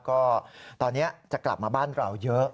ก็ตอนนี้จะกลับมาบ้านเราเยอะ